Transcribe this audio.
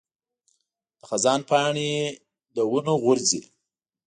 د خزان پاڼې له ونو غورځي.